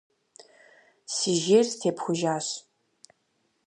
Си жейр степхужащ.